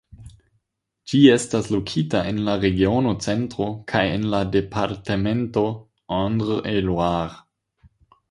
Ĝi estas lokita en la regiono Centro kaj en la departemento Indre-et-Loire.